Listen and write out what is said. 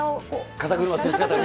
肩車する姿ね。